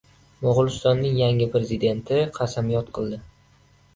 Mo‘g‘ulistonning yangi prezidenti qasamyod qildi